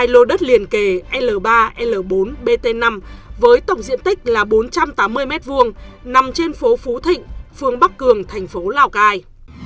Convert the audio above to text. hai lô đất liền kề l ba l bốn bt năm với tổng diện tích là bốn trăm tám mươi m hai nằm trên phố phú thịnh phường bắc cường thành phố lào cai